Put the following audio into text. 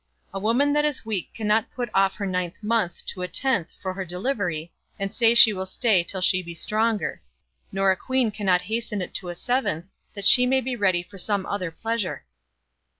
A woman that is weak cannot put off her ninth month to a tenth for her delivery, and say she will stay till she be stronger; nor a queen cannot hasten it to a seventh, that she may be ready for some other pleasure.